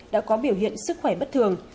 đã có biểu hiện sức khỏe bất thường